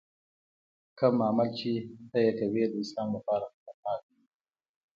کوم عمل چې ته یې کوې د اسلام لپاره خطرناک دی.